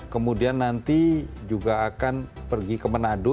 kemudian nanti juga akan pergi ke manado